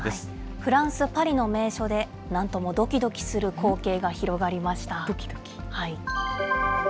フランス・パリの名所で、なんともどきどきする光景が広がりどきどき？